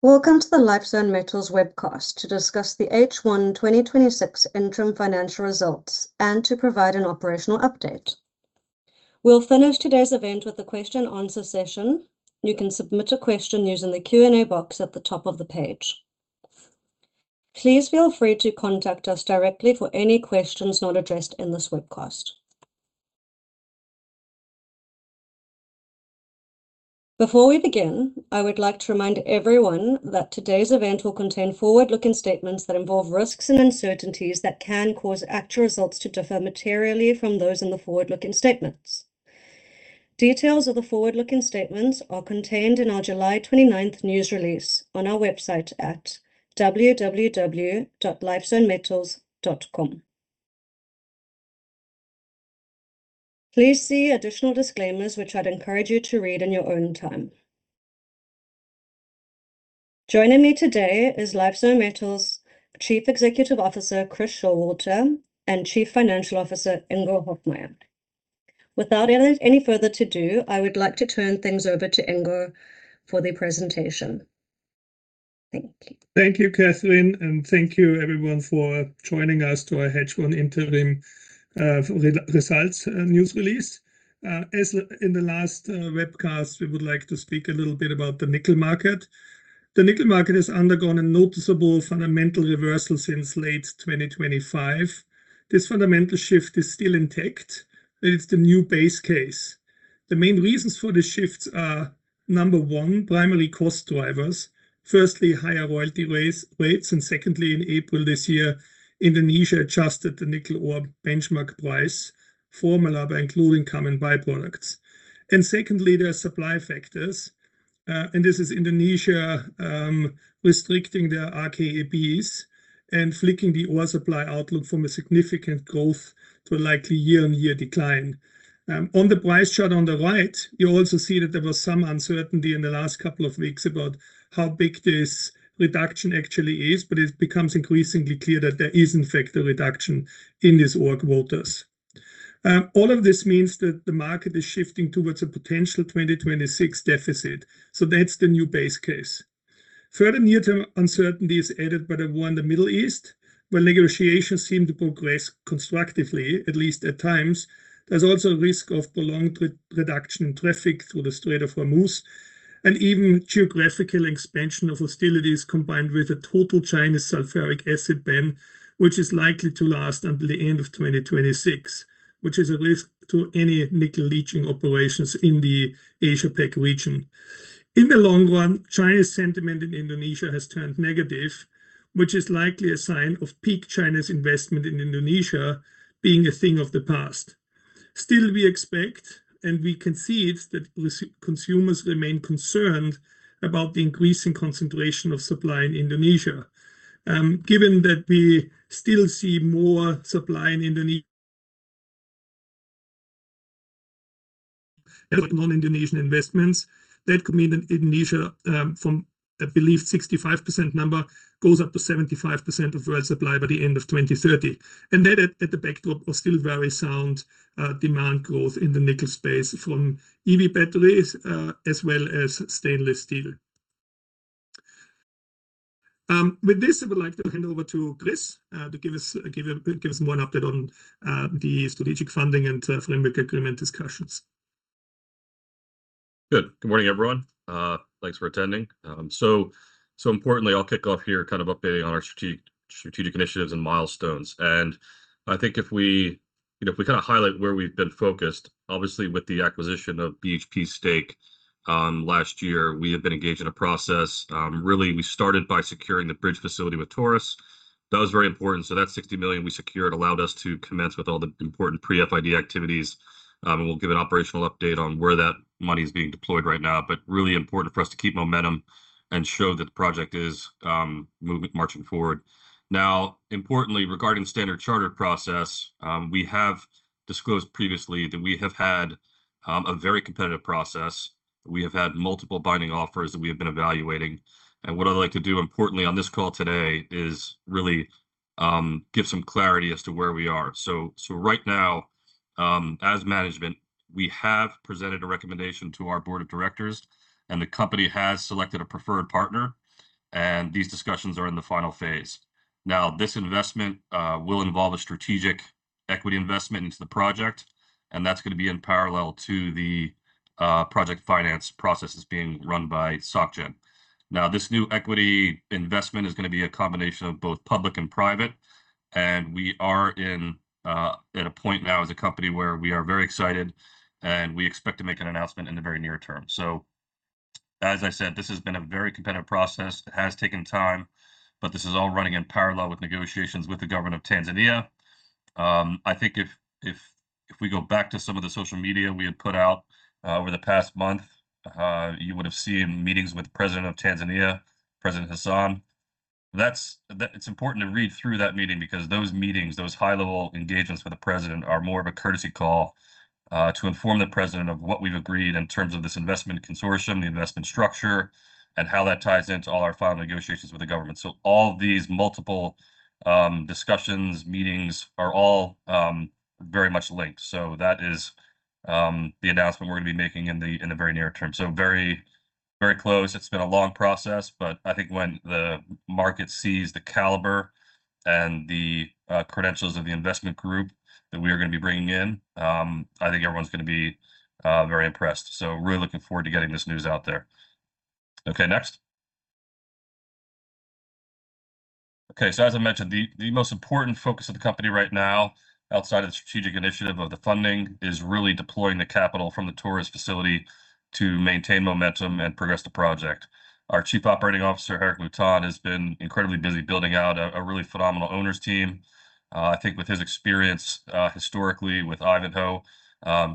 Welcome to the Lifezone Metals webcast to discuss the H1 2026 interim financial results and to provide an operational update. We'll finish today's event with a question and answer session. You can submit a question using the Q&A box at the top of the page. Please feel free to contact us directly for any questions not addressed in this webcast. Before we begin, I would like to remind everyone that today's event will contain forward-looking statements that involve risks and uncertainties that can cause actual results to differ materially from those in the forward-looking statements. Details of the forward-looking statements are contained in our July 29th news release on our website at www.lifezonemetals.com. Please see additional disclaimers, which I'd encourage you to read in your own time. Joining me today is Lifezone Metals Chief Executive Officer, Chris Showalter, and Chief Financial Officer, Ingo Hofmaier. Without any further ado, I would like to turn things over to Ingo for the presentation. Thank you. Thank you, Catherine, and thank you everyone for joining us to our H1 interim results news release. As in the last webcast, we would like to speak a little bit about the nickel market. The nickel market has undergone a noticeable fundamental reversal since late 2025. This fundamental shift is still intact, and it's the new base case. The main reasons for the shifts are, number one, primary cost drivers. Firstly, higher royalty rates, and secondly, in April this year, Indonesia adjusted the nickel ore benchmark price formula by including common byproducts. Secondly, there are supply factors, and this is Indonesia restricting their RKEF and flipping the ore supply outlook from a significant growth to a likely year-on-year decline. On the price chart on the right, you also see that there was some uncertainty in the last couple of weeks about how big this reduction actually is, but it becomes increasingly clear that there is in fact a reduction in these ore quotas. All of this means that the market is shifting towards a potential 2026 deficit, that's the new base case. Further near-term uncertainty is added by the war in the Middle East, where negotiations seem to progress constructively, at least at times. There's also a risk of prolonged reduction in traffic through the Strait of Hormuz and even geographical expansion of hostilities combined with a total China sulfuric acid ban, which is likely to last until the end of 2026, which is a risk to any nickel leaching operations in the Asia-Pac region. In the long run, China's sentiment in Indonesia has turned negative, which is likely a sign of peak China's investment in Indonesia being a thing of the past. Still, we expect and we concede that consumers remain concerned about the increasing concentration of supply in Indonesia. Given that we still see more supply in Indonesian and non-Indonesian investments, that could mean that Indonesia, from I believe 65% number, goes up to 75% of world supply by the end of 2030. That at the backdrop of still very sound demand growth in the nickel space from EV batteries, as well as stainless steel. With this, I would like to hand over to Chris to give us more update on the strategic funding and Framework Agreement discussions. Good. Good morning, everyone. Thanks for attending. Importantly, I'll kick off here updating on our strategic initiatives and milestones. I think if we highlight where we've been focused, obviously with the acquisition of BHP's stake last year, we have been engaged in a process. Really, we started by securing the bridge facility with Taurus. That was very important. That $60 million we secured allowed us to commence with all the important pre-FID activities. We'll give an operational update on where that money's being deployed right now. But really important for us to keep momentum and show that the project is marching forward. Now, importantly, regarding Standard Chartered process, we have disclosed previously that we have had a very competitive process. We have had multiple binding offers that we have been evaluating. What I'd like to do, importantly, on this call today, is really give some clarity as to where we are. Right now, as management, we have presented a recommendation to our board of directors and the company has selected a preferred partner, and these discussions are in the final phase. Now, this investment will involve a strategic equity investment into the project, and that's going to be in parallel to the project finance processes being run by Société Générale. This new equity investment is going to be a combination of both public and private, and we are at a point now as a company where we are very excited and we expect to make an announcement in the very near term. As I said, this has been a very competitive process. It has taken time, but this is all running in parallel with negotiations with the Government of Tanzania. I think if we go back to some of the social media we had put out over the past month, you would have seen meetings with President of Tanzania, President Samia Suluhu Hassan. It's important to read through that meeting because those meetings, those high-level engagements with the President are more of a courtesy call to inform the President of what we've agreed in terms of this investment consortium, the investment structure, and how that ties into all our final negotiations with the Government. All these multiple discussions, meetings are all very much linked. That is the announcement we're going to be making in the very near term. Very close. It's been a long process, but I think when the market sees the caliber and the credentials of the investment group that we are going to be bringing in, I think everyone's going to be very impressed. Really looking forward to getting this news out there. As I mentioned, the most important focus of the company right now, outside of the strategic initiative of the funding, is really deploying the capital from the Taurus facility to maintain momentum and progress the project. Our Chief Operating Officer, Gerick Mouton, has been incredibly busy building out a really phenomenal owners team. I think with his experience historically with Ivanhoe,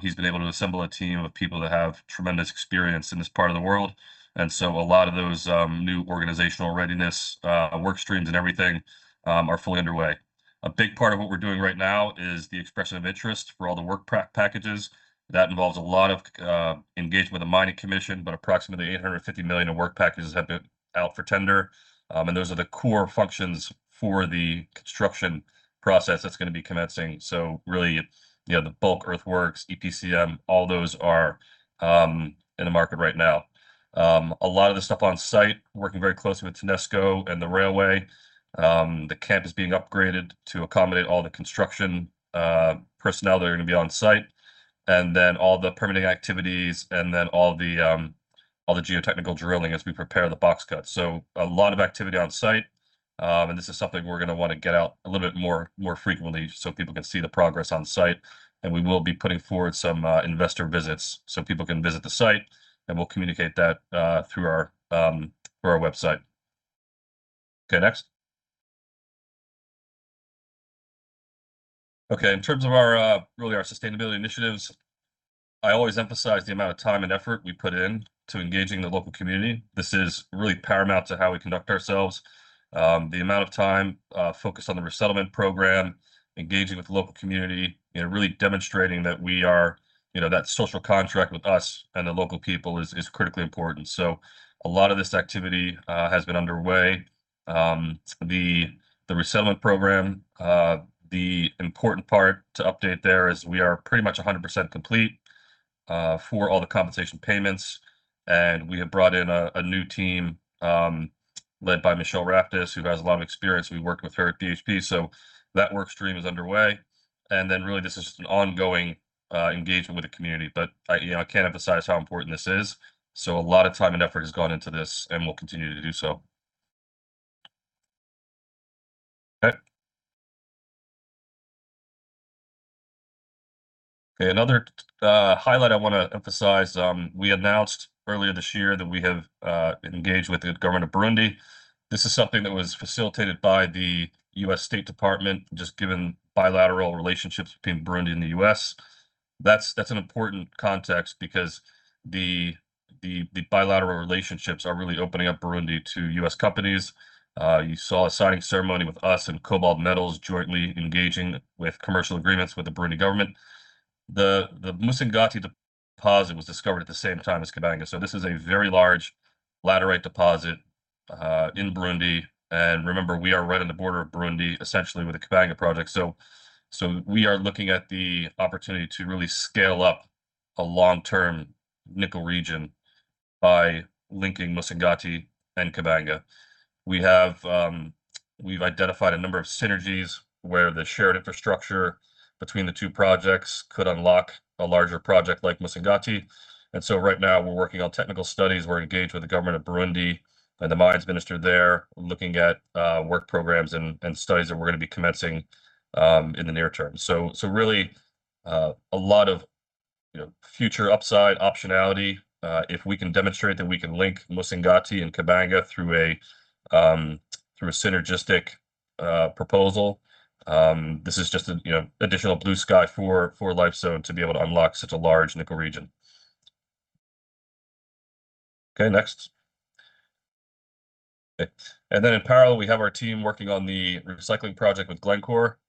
he's been able to assemble a team of people that have tremendous experience in this part of the world. A lot of those new organizational readiness work streams and everything are fully underway. A big part of what we're doing right now is the expression of interest for all the work packages. That involves a lot of engagement with the Mining Commission, approximately $850 million of work packages have been out for tender. Those are the core functions for the construction process that's going to be commencing. Really, the bulk earthworks, EPCM, all those are in the market right now. A lot of the stuff on site, working very closely with TANESCO and the railway. The camp is being upgraded to accommodate all the construction personnel that are going to be on site. All the permitting activities and then all the geotechnical drilling as we prepare the box cut. A lot of activity on site. This is something we're going to want to get out a little bit more frequently so people can see the progress on site. We will be putting forward some investor visits so people can visit the site, and we'll communicate that through our website. In terms of our sustainability initiatives, I always emphasize the amount of time and effort we put in to engaging the local community. This is really paramount to how we conduct ourselves. The amount of time focused on the resettlement program, engaging with the local community, really demonstrating that social contract with us and the local people is critically important. A lot of this activity has been underway. The resettlement program, the important part to update there is we are pretty much 100% complete for all the compensation payments. We have brought in a new team led by Michelle Raftus, who has a lot of experience. We worked with her at BHP, that work stream is underway. Really this is an ongoing engagement with the community. I can't emphasize how important this is. A lot of time and effort has gone into this and will continue to do so. Another highlight I want to emphasize, we announced earlier this year that we have engaged with the Government of Burundi. This is something that was facilitated by the U.S. Department of State, just given bilateral relationships between Burundi and the U.S. That's an important context because The bilateral relationships are really opening up Burundi to U.S. companies. You saw a signing ceremony with us and KoBold Metals The Musongati deposit was discovered at the same time as Kabanga, this is a very large laterite deposit in Burundi. Remember, we are right on the border of Burundi, essentially, with the Kabanga project. We are looking at the opportunity to really scale up a long-term nickel region by linking Musongati and Kabanga. We've identified a number of synergies where the shared infrastructure between the two projects could unlock a larger project like Musongati. Right now we're working on technical studies. We're engaged with the government of Burundi and the mines minister there, looking at work programs and studies that we're going to be commencing in the near term. Really a lot of future upside optionality if we can demonstrate that we can link Musongati and Kabanga through a synergistic proposal. This is just an additional blue sky for Lifezone Metals to be able to unlock such a large nickel region. Okay, next. In parallel, we have our team working on the recycling project with Glencore.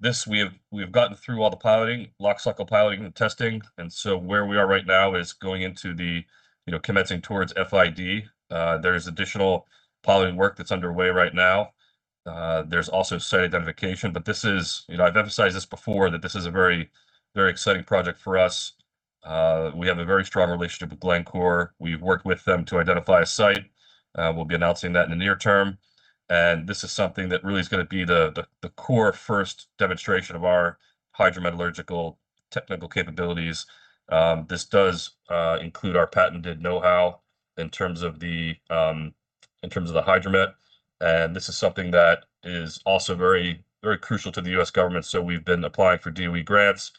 This we have gotten through all the piloting, lock cycle piloting and testing. Where we are right now is going into the commencing towards FID. There is additional piloting work that's underway right now. There's also site identification, I've emphasized this before, that this is a very exciting project for us. We have a very strong relationship with Glencore. We've worked with them to identify a site. We'll be announcing that in the near term. This is something that really is going to be the core first demonstration of our hydrometallurgical technical capabilities. This does include our patented knowhow in terms of the hydromet, this is something that is also very crucial to the U.S. government. We've been applying for DOE grants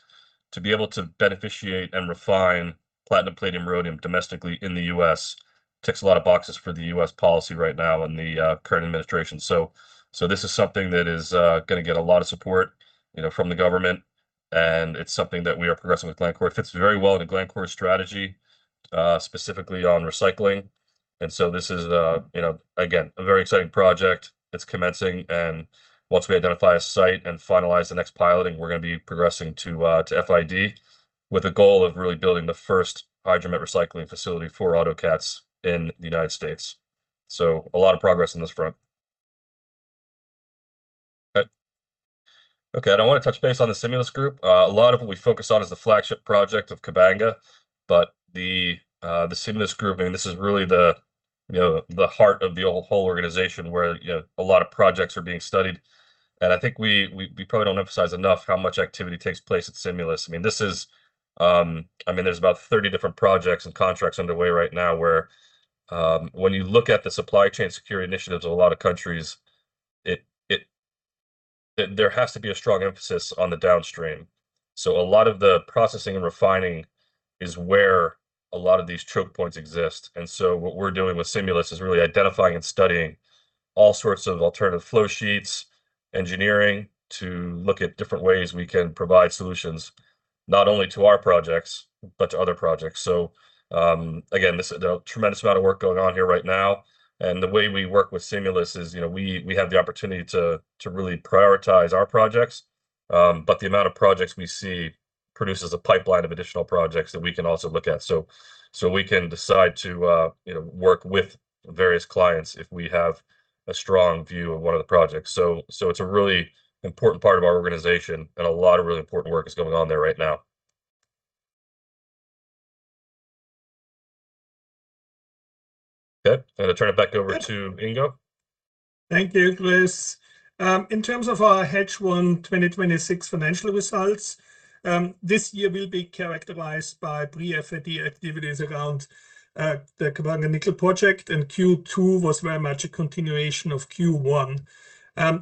to be able to beneficiate and refine platinum, palladium, rhodium domestically in the U.S. Ticks a lot of boxes for the U.S. policy right now and the current administration. This is something that is going to get a lot of support from the government it's something that we are progressing with Glencore. It fits very well into Glencore's strategy, specifically on recycling. This is again, a very exciting project. It's commencing, once we identify a site and finalize the next piloting, we're going to be progressing to FID with a goal of really building the first hydromet recycling facility for autocats in the United States. A lot of progress on this front. Okay. I want to touch base on the Simulus Group. A lot of what we focus on is the flagship project of Kabanga, the Simulus Group, this is really the heart of the whole organization where a lot of projects are being studied. I think we probably don't emphasize enough how much activity takes place at Simulus. There's about 30 different projects and contracts underway right now where when you look at the supply chain security initiatives of a lot of countries, there has to be a strong emphasis on the downstream. A lot of the processing and refining is where a lot of these choke points exist. What we're doing with Simulus is really identifying and studying all sorts of alternative flow sheets, engineering to look at different ways we can provide solutions not only to our projects but to other projects. Again, there's a tremendous amount of work going on here right now, the way we work with Simulus Group is we have the opportunity to really prioritize our projects. The amount of projects we see produces a pipeline of additional projects that we can also look at. We can decide to work with various clients if we have a strong view of one of the projects. It's a really important part of our organization and a lot of really important work is going on there right now. Okay, I'm going to turn it back over to Ingo. Thank you, Chris. In terms of our H1 2026 financial results, this year will be characterized by pre-FID activities around the Kabanga Nickel project. Q2 was very much a continuation of Q1.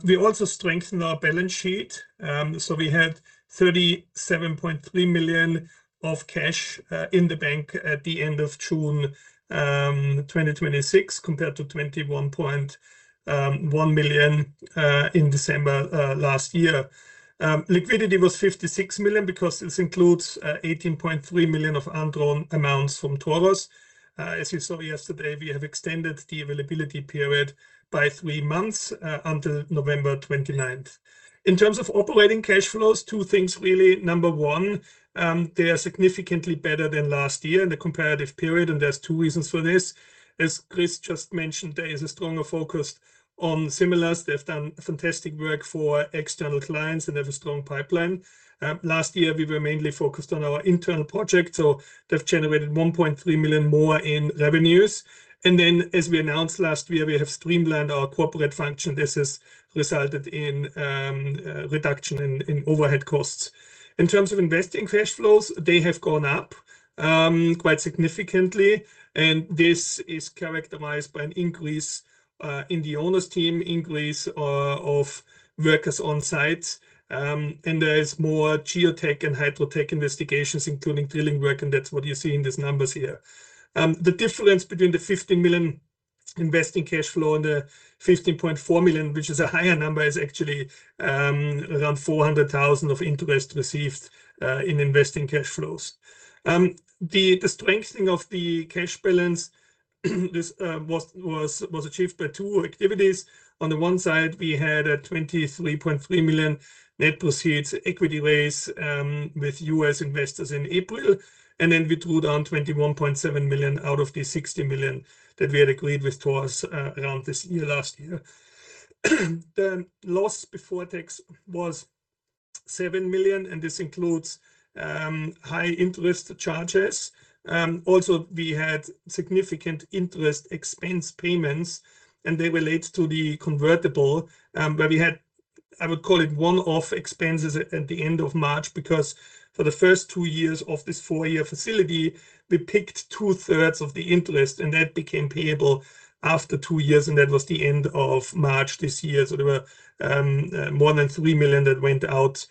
We also strengthened our balance sheet. We had $37.3 million of cash in the bank at the end of June 2026 compared to $21.1 million in December last year. Liquidity was $56 million because this includes $18.3 million of undrawn amounts from Taurus. As you saw yesterday, we have extended the availability period by three months until November 29th. In terms of operating cash flows, two things really. Number one, they are significantly better than last year in the comparative period. There's two reasons for this. As Chris just mentioned, there is a stronger focus on Simulus. They've done fantastic work for external clients and have a strong pipeline. Last year we were mainly focused on our internal projects, they've generated $1.3 million more in revenues. As we announced last year, we have streamlined our corporate function. This has resulted in reduction in overhead costs. In terms of investing cash flows, they have gone up quite significantly. This is characterized by an increase in the owner's team, increase of workers on sites. There is more geotech and hydrotech investigations including drilling work, that's what you see in these numbers here. The difference between the $15 million investing cash flow in the $15.4 million, which is a higher number, is actually around $400,000 of interest received in investing cash flows. The strengthening of the cash balance was achieved by two activities. On the one side, we had a $23.3 million net proceeds equity raise with U.S. investors in April. We drew down $21.7 million out of the $60 million that we had agreed with Taurus around this year, last year. The loss before tax was $7 million. This includes high-interest charges. Also, we had significant interest expense payments. They relate to the convertible, where we had, I would call it one-off expenses at the end of March, because for the first two years of this four-year facility, we picked 2/3 of the interest, that became payable after two years, and that was the end of March this year. There were more than $3 million that went out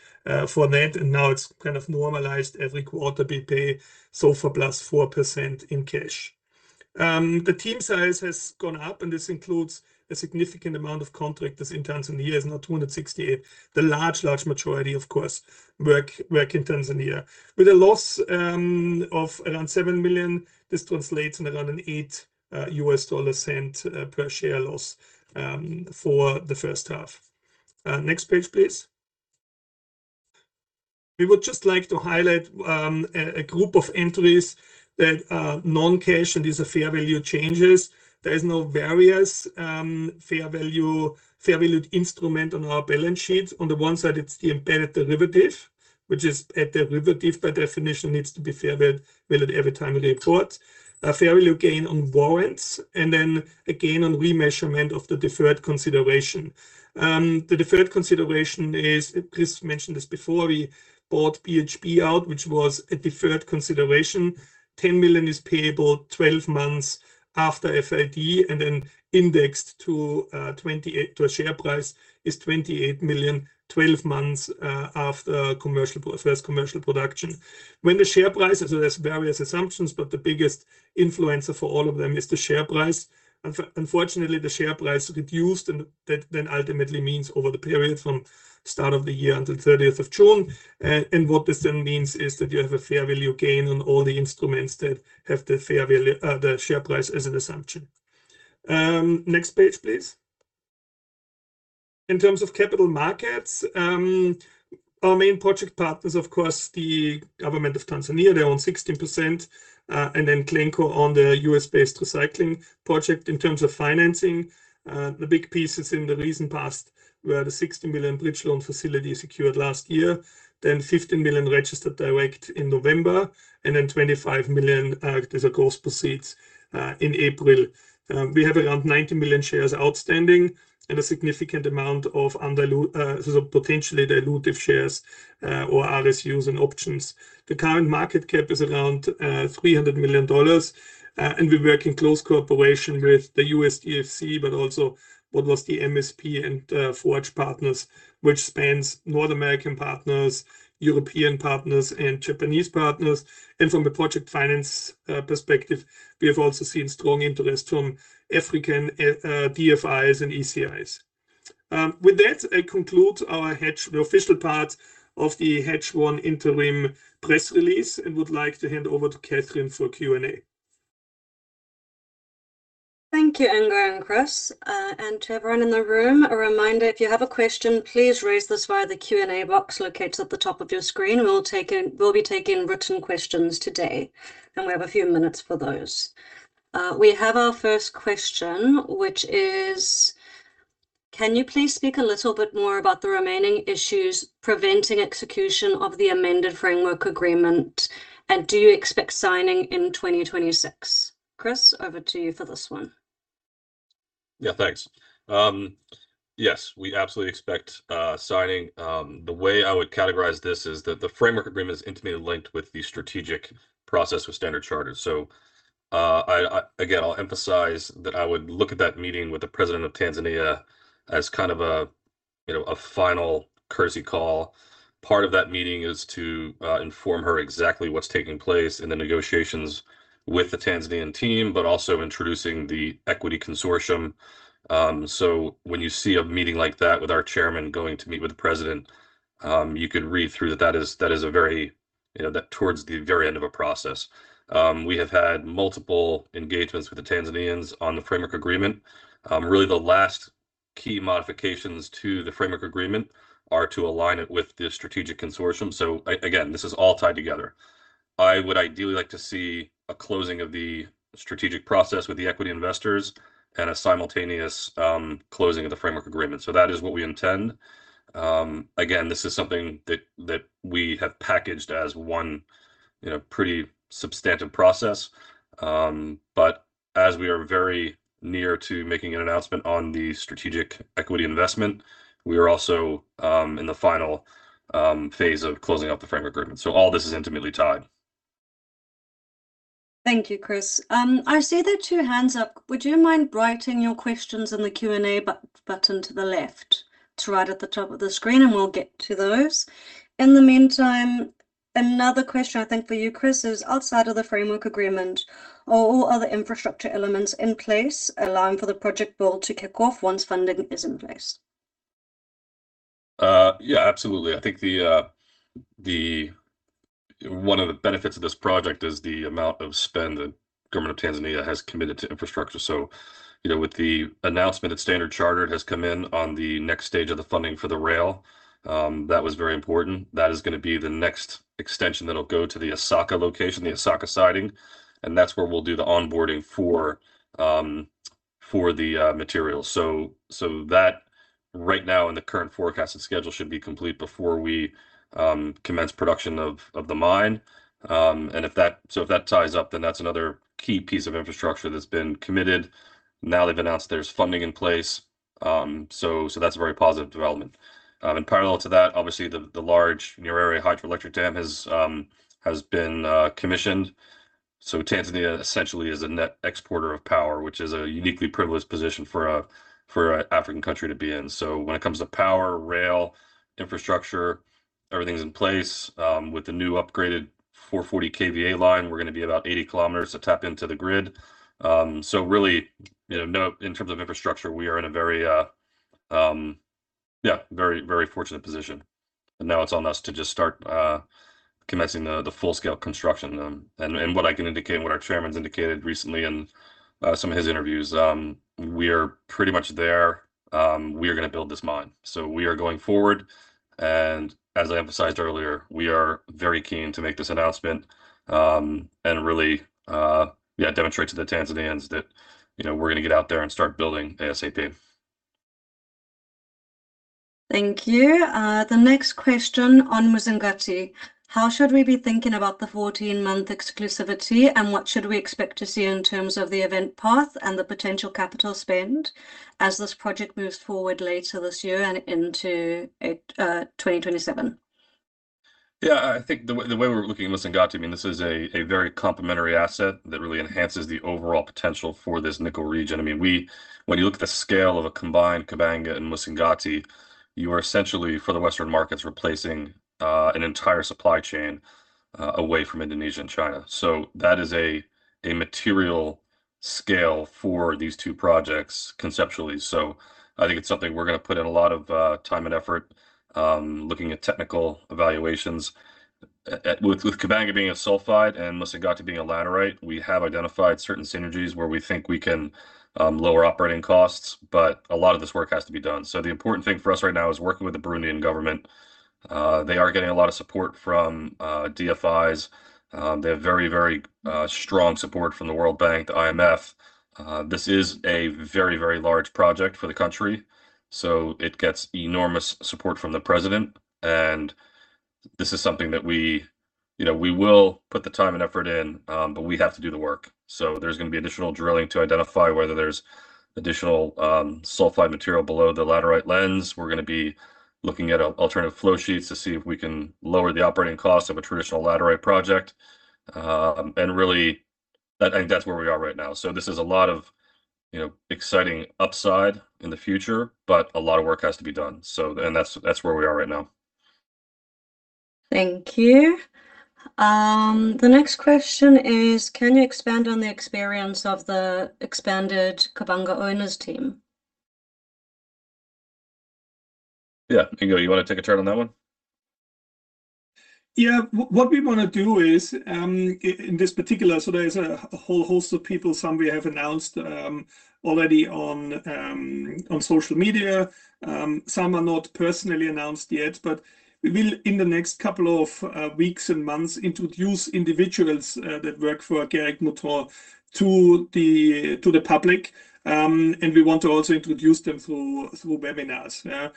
for that. Now it's kind of normalized. Every quarter we pay SOFR +4% in cash. The team size has gone up, and this includes a significant amount of contractors in Tanzania is now 268. The large majority, of course, work in Tanzania. With a loss of around $7 million, this translates in around a $0.08 per share loss for the first half. Next page, please. We would just like to highlight a group of entries that are non-cash, and these are fair value changes. There is no various fair valued instrument on our balance sheet. On the one side, it is the embedded derivative, which is a derivative by definition needs to be fair valued every time we report. A fair value gain on warrants, and then a gain on remeasurement of the deferred consideration. The deferred consideration is, Chris mentioned this before, we bought BHP out, which was a deferred consideration. $10 million is payable 12 months after FID, and then indexed to a share price is $28 million, 12 months after first commercial production. When the share price, so there are various assumptions, but the biggest influencer for all of them is the share price. Unfortunately, the share price reduced, and that then ultimately means over the period from start of the year until June 30. What this then means is that you have a fair value gain on all the instruments that have the share price as an assumption. Next page, please. In terms of capital markets, our main project partners, of course, the Government of Tanzania, they own 16%, and then Glencore own the U.S.-based recycling project. In terms of financing, the big pieces in the recent past were the $60 million bridge loan facility secured last year, then $15 million registered direct in November, and then $25 million as gross proceeds in April. We have around 90 million shares outstanding and a significant amount of potentially dilutive shares or RSUs and options. The current market cap is around $300 million. We work in close cooperation with the U.S. DFC, but also what was the MSP and FORGE Partners, which spans North American partners, European partners, and Japanese partners. From a project finance perspective, we have also seen strong interest from African DFIs and ECAs. With that, I conclude the official part of the H1 interim press release, and would like to hand over to Catherine for Q&A. Thank you, Ingo and Chris. To everyone in the room, a reminder, if you have a question, please raise this via the Q&A box located at the top of your screen. We will be taking written questions today, and we have a few minutes for those. We have our first question, which is, can you please speak a little bit more about the remaining issues preventing execution of the amended Framework Agreement, and do you expect signing in 2026? Chris, over to you for this one. Yeah, thanks. Yes, we absolutely expect signing. The way I would categorize this is that the Framework Agreement is intimately linked with the strategic process with Standard Chartered. Again, I'll emphasize that I would look at that meeting with the President of Tanzania as kind of a final courtesy call. Part of that meeting is to inform her exactly what's taking place in the negotiations with the Tanzanian team, but also introducing the equity consortium. When you see a meeting like that with our Chair going to meet with the President, you can read through that that is towards the very end of a process. We have had multiple engagements with the Tanzanians on the Framework Agreement. Really the last key modifications to the Framework Agreement are to align it with the strategic consortium. Again, this is all tied together. I would ideally like to see a closing of the strategic process with the equity investors and a simultaneous closing of the Framework Agreement. That is what we intend. Again, this is something that we have packaged as one pretty substantive process. As we are very near to making an announcement on the strategic equity investment, we are also in the final phase of closing up the Framework Agreement. All this is intimately tied. Thank you, Chris. I see there are two hands up. Would you mind writing your questions in the Q&A button to the left? It's right at the top of the screen, and we'll get to those. In the meantime, another question I think for you, Chris, is outside of the Framework Agreement, are all other infrastructure elements in place allowing for the project build to kick off once funding is in place? Yeah, absolutely. I think one of the benefits of this project is the amount of spend the government of Tanzania has committed to infrastructure. With the announcement that Standard Chartered has come in on the next stage of the funding for the rail, that was very important. That is going to be the next extension that'll go to the Isaka location, the Isaka siting, and that's where we'll do the onboarding for the materials. That right now in the current forecasted schedule should be complete before we commence production of the mine. If that ties up, then that's another key piece of infrastructure that's been committed. Now they've announced there's funding in place, so that's a very positive development. In parallel to that, obviously the large Julius Nyerere Hydropower Station has been commissioned. Tanzania essentially is a net exporter of power, which is a uniquely privileged position for an African country to be in. When it comes to power, rail, infrastructure, everything's in place. With the new upgraded 440 kV line, we're going to be about 80 km to tap into the grid. Really, in terms of infrastructure, we are in a very fortunate position, and now it's on us to just start commencing the full-scale construction. What I can indicate, and what our chairman's indicated recently in some of his interviews, we are pretty much there. We are going to build this mine. We are going forward, and as I emphasized earlier, we are very keen to make this announcement, and really demonstrate to the Tanzanians that we're going to get out there and start building ASAP. Thank you. The next question on Musongati. How should we be thinking about the 14-month exclusivity, and what should we expect to see in terms of the event path and the potential capital spend as this project moves forward later this year and into 2027? Yeah. I think the way we're looking at Musongati, this is a very complementary asset that really enhances the overall potential for this nickel region. When you look at the scale of a combined Kabanga and Musongati, you are essentially for the Western markets replacing an entire supply chain away from Indonesia and China. That is a material scale for these two projects conceptually. I think it's something we're going to put in a lot of time and effort looking at technical evaluations. With Kabanga being a sulfide and Musongati being a laterite, we have identified certain synergies where we think we can lower operating costs, but a lot of this work has to be done. The important thing for us right now is working with the Burundian government. They are getting a lot of support from DFIs. They have very strong support from the World Bank, the IMF. This is a very large project for the country, so it gets enormous support from the president, and this is something that we will put the time and effort in, but we have to do the work. There's going to be additional drilling to identify whether there's additional sulfide material below the laterite lens. We're going to be looking at alternative flow sheets to see if we can lower the operating cost of a traditional laterite project. Really, I think that's where we are right now. This is a lot of exciting upside in the future, but a lot of work has to be done. That's where we are right now. Thank you. The next question is, can you expand on the experience of the expanded Kabanga owners team? Yeah. Ingo, you want to take a turn on that one? Yeah. What we want to do is, there's a whole host of people, some we have announced already on social media. Some are not personally announced yet, but we will, in the next couple of weeks and months, introduce individuals that work for Gerick Mouton to the public. We want to also introduce them through webinars. Yeah.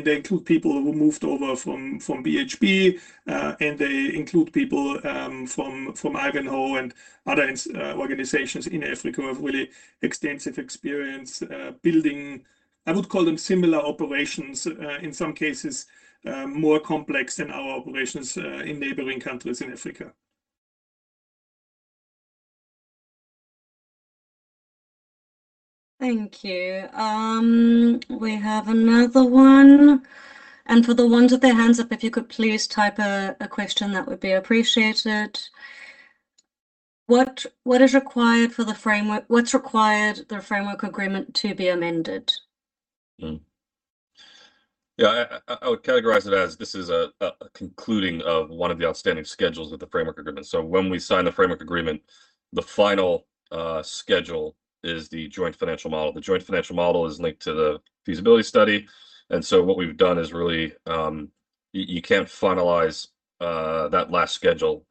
They include people who moved over from BHP, they include people from Ivanhoe Mines and other organizations in Africa who have really extensive experience building, I would call them similar operations. In some cases, more complex than our operations in neighboring countries in Africa. Thank you. We have another one. For the ones with their hands up, if you could please type a question, that would be appreciated. What's required for the Framework Agreement to be amended? Yeah. I would categorize it as this is a concluding of one of the outstanding schedules with the Framework Agreement. When we sign the Framework Agreement, the final schedule is the joint financial model. The joint financial model is linked to the feasibility study. What we've done is really, you can't finalize that last schedule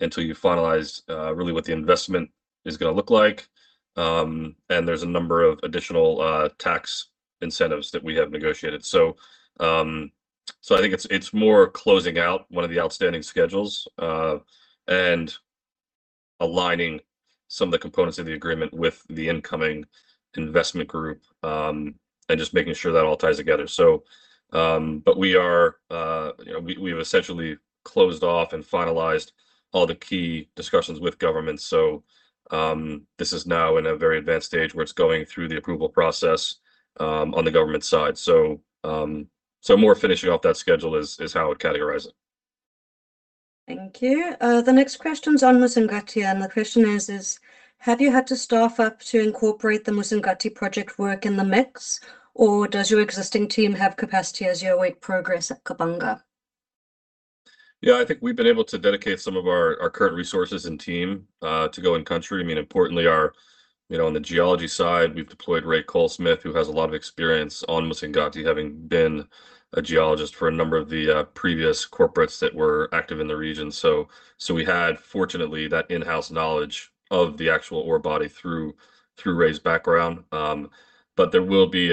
until you finalize really what the investment is going to look like. There's a number of additional tax incentives that we have negotiated. I think it's more closing out one of the outstanding schedules, and aligning some of the components of the agreement with the incoming investment group, and just making sure that all ties together. We've essentially closed off and finalized all the key discussions with government. This is now in a very advanced stage where it's going through the approval process on the government side. More finishing off that schedule is how I'd categorize it. Thank you. The next question's on Musongati, and the question is: Have you had to staff up to incorporate the Musongati project work in the mix, or does your existing team have capacity as you await progress at Kabanga? Yeah. I think we've been able to dedicate some of our current resources and team to go in-country. Importantly, on the geology side, we've deployed [Ray Cole-Smith, who has a lot of experience on Musongati, having been a geologist for a number of the previous corporates that were active in the region. We had, fortunately, that in-house knowledge of the actual ore body through Ray's background. There will be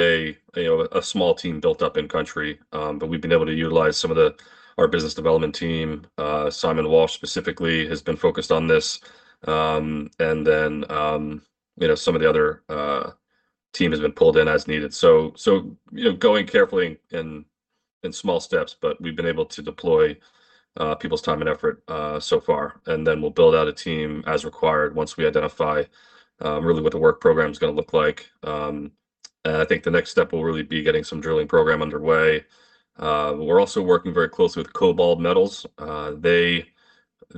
a small team built up in-country, but we've been able to utilize some of our business development team. Simon Walsh specifically has been focused on this. Then some of the other team has been pulled in as needed. Going carefully and in small steps, we've been able to deploy people's time and effort so far, and then we'll build out a team as required once we identify really what the work program's going to look like. I think the next step will really be getting some drilling program underway. We're also working very closely with KoBold Metals.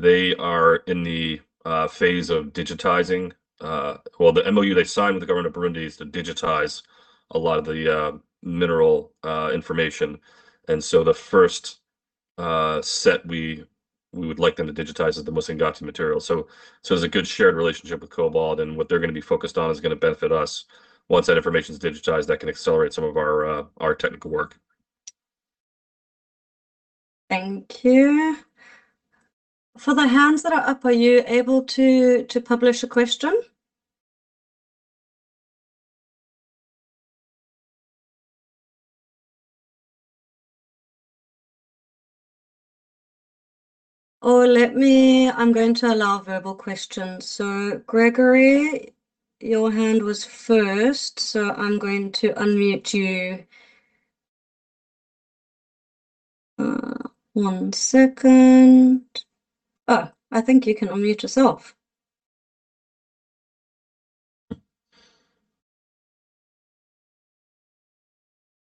They are in the phase of digitizing. The MOU they signed with the government of Burundi is to digitize a lot of the mineral information. The first set we would like them to digitize is the Musongati material. It's a good shared relationship with Cobalt, and what they're going to be focused on is going to benefit us. Once that information's digitized, that can accelerate some of our technical work. Thank you. For the hands that are up, are you able to publish a question? I'm going to allow verbal questions. Gregory, your hand was first, so I'm going to unmute you. One second. Oh, I think you can unmute yourself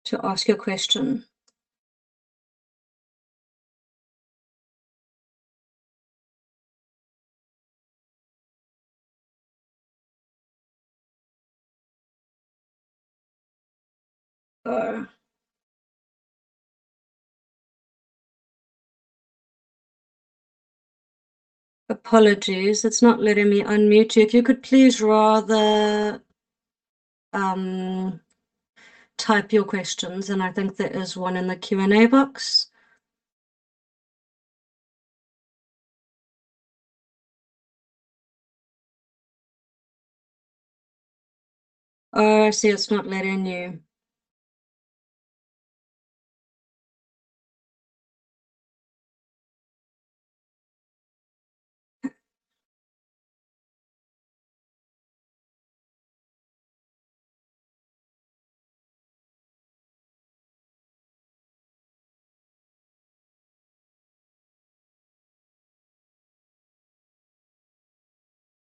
to ask your question. Apologies. It's not letting me unmute you. If you could please rather type your questions, and I think there is one in the Q&A box. I see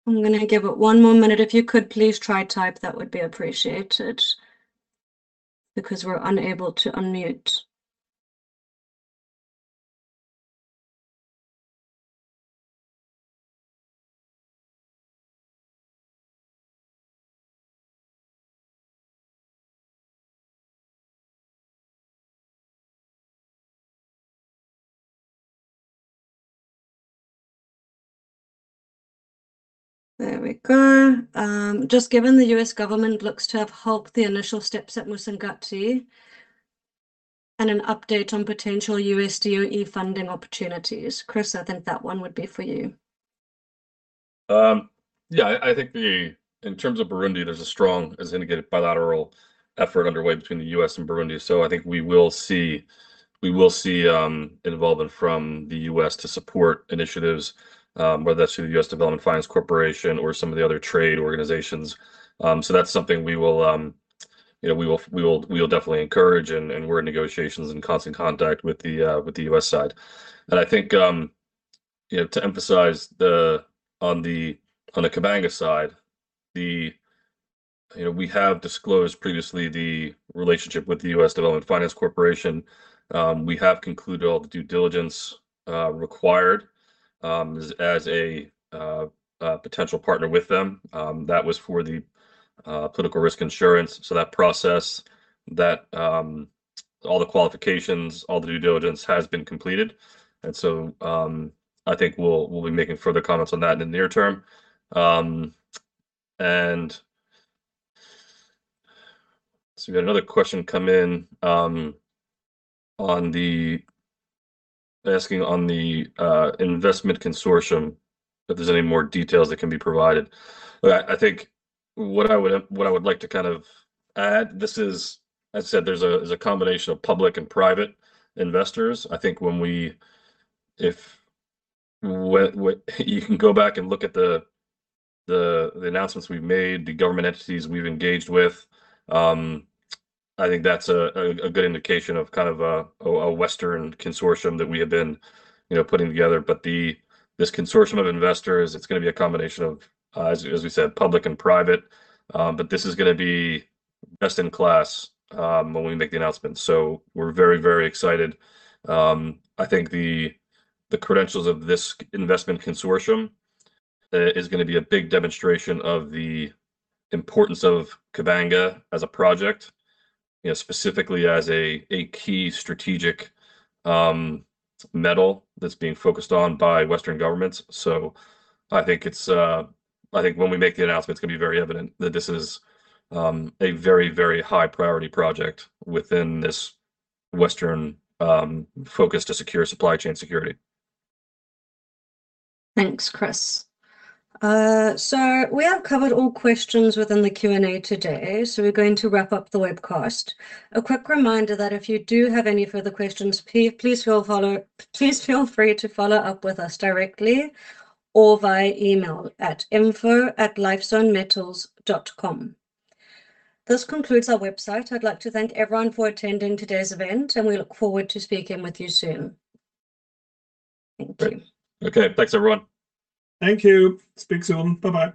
it's not letting you. I'm going to give it one more minute. If you could please try type, that would be appreciated because we're unable to unmute. There we go. "Just given the U.S. government looks to have helped the initial steps at Musongati, and an update on potential U.S. DOE funding opportunities." Chris, I think that one would be for you. I think in terms of Burundi, there's a strong, as indicated, bilateral effort underway between the U.S. and Burundi. I think we will see involvement from the U.S. to support initiatives, whether that's through the U.S. Development Finance Corporation or some of the other trade organizations. That's something we will definitely encourage, and we're in negotiations and constant contact with the U.S. side. I think to emphasize on the Kabanga side, we have disclosed previously the relationship with the U.S. Development Finance Corporation. We have concluded all the due diligence required as a potential partner with them. That was for the political risk insurance. That process, all the qualifications, all the due diligence has been completed. I think we'll be making further comments on that in the near term. We had another question come in asking on the investment consortium, if there's any more details that can be provided. I think what I would like to kind of add, as I said, there's a combination of public and private investors. I think you can go back and look at the announcements we've made, the government entities we've engaged with. I think that's a good indication of a Western consortium that we have been putting together. This consortium of investors, it's going to be a combination of, as we said, public and private. This is going to be best-in-class when we make the announcement. We're very, very excited. I think the credentials of this investment consortium is going to be a big demonstration of the importance of Kabanga as a project, specifically as a key strategic metal that's being focused on by Western governments. I think when we make the announcement, it's going to be very evident that this is a very, very high-priority project within this Western focus to secure supply chain security. Thanks, Chris. We have covered all questions within the Q&A today, we're going to wrap up the webcast. A quick reminder that if you do have any further questions, please feel free to follow up with us directly or via email at info@lifezonemetals.com. This concludes our webcast. I'd like to thank everyone for attending today's event, and we look forward to speaking with you soon. Great. Okay. Thanks, everyone. Thank you. Speak soon. Bye-bye.